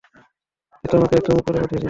এ তো আমাকে একদম উপরে পাঠিয়ে দিবে।